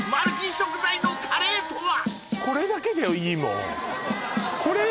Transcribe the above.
食材のカレーとは？